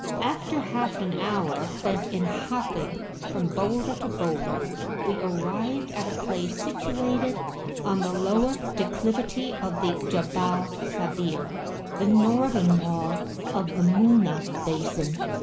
After half an hour spent in hopping from boulder to boulder, we arrived at a place situated on the lower declivity of the Jabal Sabir, the northern wall of the Muna basin.